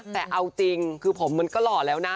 แต่เอาจริงคือผมมันก็หล่อแล้วนะ